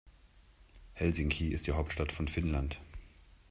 Helsinki ist die Hauptstadt von Finnland.